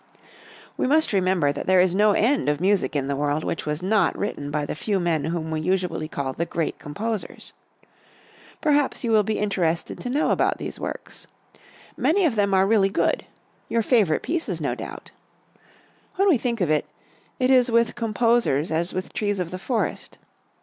We must remember that there is no end of music in the world which was not written by the few men whom we usually call the great composers. Perhaps you will be interested to know about these works. Many of them are really good your favorite pieces, no doubt. When we think of it, it is with composers as with trees of the forest.